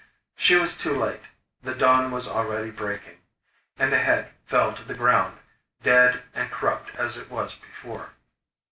She was too late; the dawn was already breaking, and the head fell to the ground, dead and corrupt as it was before.